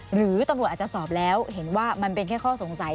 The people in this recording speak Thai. หรือตำรวจอาจจะสอบแล้วเห็นว่ามันเป็นแค่ข้อสงสัย